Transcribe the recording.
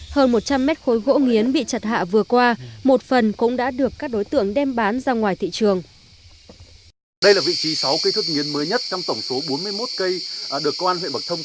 hơn một trăm linh mét khối gỗ nghiến bị chặt hạ vừa qua một phần cũng đã được các đối tượng đem bán ra ngoài thị trường